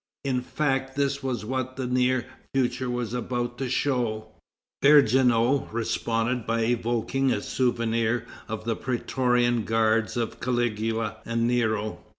In fact, this was what the near future was about to show. Vergniaud responded by evoking a souvenir of the prætorian guards of Caligula and Nero.